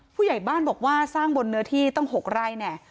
ผู้ใหญ่บ้านบอกว่าสร้างบนเนื้อที่ตั้ง๖ไร่เนี่ย